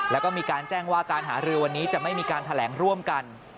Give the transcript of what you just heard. แล้วก็มีการแจ้งว่าการหารือวันนี้จะไม่มีการแถลงร่วมกัน